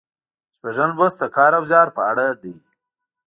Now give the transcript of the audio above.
شپږم لوست د کار او زیار په اړه دی.